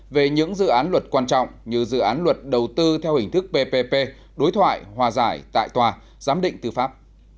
về những dự án luật quan trọng như dự án luật đầu tư theo hình thức ppp đối thoại hòa giải tại tòa giám định tư pháp